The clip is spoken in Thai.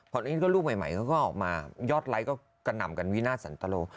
อันนี้ก็รูปใหม่เขาก็ออกมายอดไลค์ก็กระหน่ำกันวินาทสันตโล